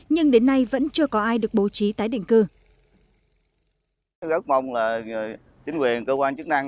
nhưng đến nay vẫn chưa có ai được bố trí tái định cư